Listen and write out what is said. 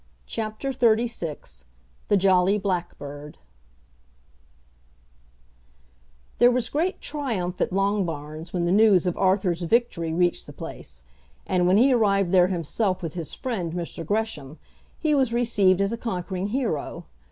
CHAPTER XXXVI The Jolly Blackbird There was great triumph at Longbarns when the news of Arthur's victory reached the place; and when he arrived there himself with his friend, Mr. Gresham, he was received as a conquering hero.